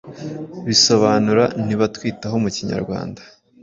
bisobanura ntibatwitaho mukinyarwanda